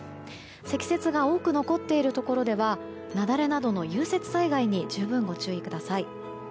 積雪が多く残っているところでは雪崩などの融雪災害に十分ご注意ください。